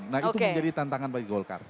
nah itu menjadi tantangan bagi golkar